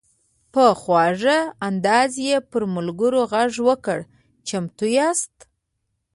په خواږه انداز یې پر ملګرو غږ وکړ: "چمتو یاست؟"